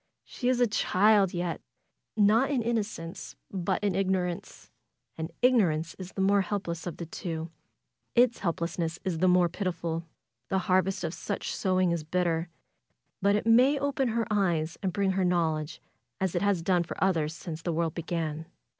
She is a child yet; not in innocence, but in ignorance. And ignorance is the more helpless of the two; its FAITH m helplessness is the more pitiful. The harvest of such sowing is bitter; but it may open her eyes and bring her knowledge, as it has done for others since the world began.